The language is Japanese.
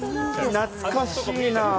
懐かしいな。